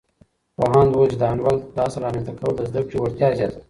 پوهاند وویل، چې د انډول د اصل رامنځته کول د زده کړې وړتیا زیاتوي.